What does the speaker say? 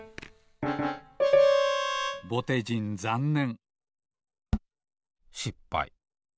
ぼてじんざんねんしっぱい。